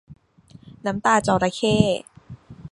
น้ำตาจระเข้